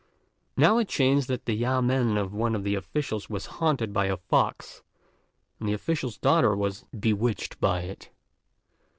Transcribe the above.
Now it chanced that the yamên of one of the officials was haunted by a fox, and the official's daughter was bewitched by it.